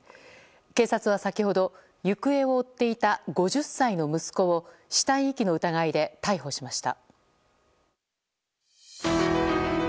警察は先ほど行方を追っていた５０歳の息子を死体遺棄の疑いで逮捕しました。